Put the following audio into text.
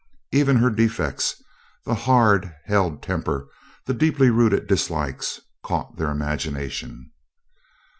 Even her defects the hard held temper, the deeply rooted dislikes caught their imagination.